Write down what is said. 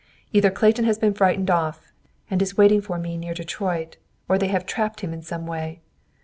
"Either Clayton has been frightened off, and is waiting for me near Detroit, or they have trapped him in some way.